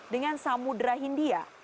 dengan samudera hindia